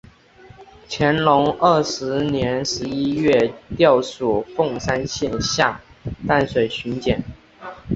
乾隆二十四年十一月调署凤山县下淡水巡检。